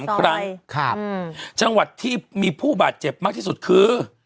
๒ครั้งจังหวัดที่มีผู้บาดเจ็บมากที่สุดคือ